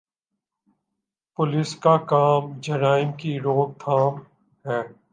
Police کا کام جرائم کی روک تھام ہے۔